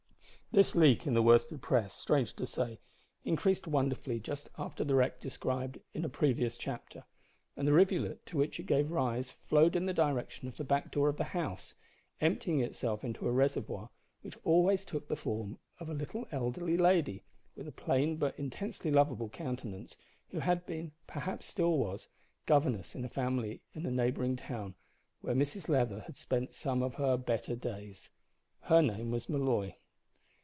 This leak in the worsted press, strange to say, increased wonderfully just after the wreck described in a previous chapter, and the rivulet to which it gave rise flowed in the direction of the back door of the house, emptying itself into a reservoir which always took the form of a little elderly lady, with a plain but intensely lovable countenance, who had been, perhaps still was, governess in a family in a neighbouring town where Mrs Leather had spent some of her "better days." Her name was Molloy.